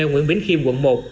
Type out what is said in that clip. nguyễn bến khiêm quận một